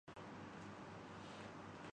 آپ کون